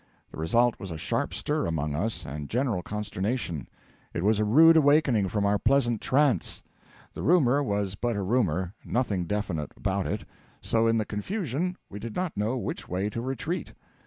The result was a sharp stir among us, and general consternation. It was a rude awakening from our pleasant trance. The rumour was but a rumour nothing definite about it; so, in the confusion, we did not know which way to retreat.